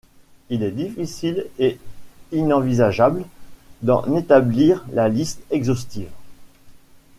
Il est difficile et inenvisageable d'en établir la liste exhaustive.